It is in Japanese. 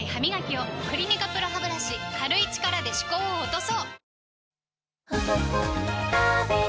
「クリニカＰＲＯハブラシ」軽い力で歯垢を落とそう！